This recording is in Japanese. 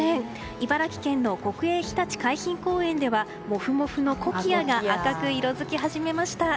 茨城県の国営ひたち海浜公園ではもふもふのコキアが赤く色づき始めました。